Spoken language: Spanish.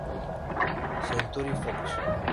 Century Fox.